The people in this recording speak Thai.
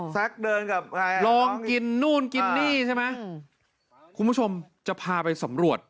เดินกับลองกินนู่นกินนี่ใช่ไหมคุณผู้ชมจะพาไปสำรวจ